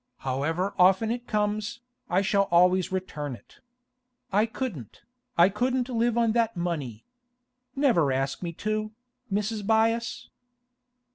However often it comes, I shall always return it. I couldn't, I couldn't live on that money! Never ask me to, Mrs. Byass.